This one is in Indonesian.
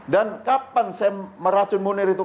dan kapan saya meracun munir itu